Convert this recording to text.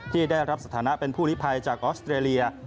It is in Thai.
ที่ได้รับสถานะเป็นผู้ลิภัยจากออสเตรเลีย